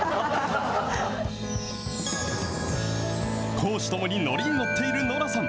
公私ともに乗りに乗っているノラさん。